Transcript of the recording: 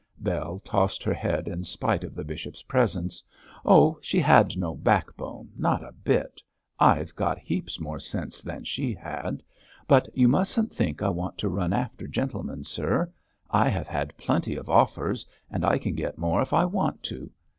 Bell tossed her head in spite of the bishop's presence. 'Oh, she had no backbone, not a bit. I've got heaps more sense than she had. But you mustn't think I want to run after gentlemen, sir. I have had plenty of offers; and I can get more if I want to.